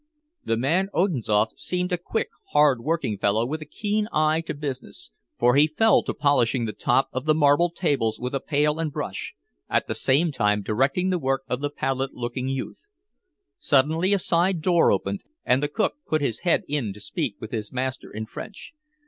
The man Odinzoff seemed a quick, hard working fellow with a keen eye to business, for he fell to polishing the top of the marble tables with a pail and brush, at the same time directing the work of the pallid looking youth. Suddenly a side door opened, and the cook put his head in to speak with his master in French.